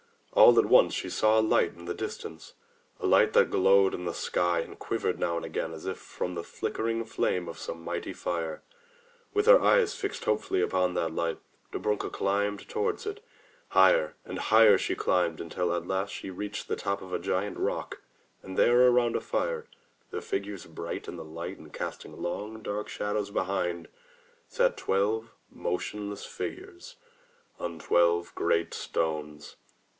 All at once she saw a light in the distance, a light that glowed in the sky and quivered now and again as if from the flickering flame of some mighty fire. With her eyes fixed hopefully on that light, Dobrunka climbed toward it. Higher and higher she climbed until at last she reached the top of a giant rock, and there, about a fire, their figures bright in the light and cast ing long, dark shadows behind, sat twelve motionless figures on twelve great stones.